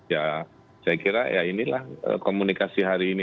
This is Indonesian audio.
ya saya kira ya inilah komunikasi hari ini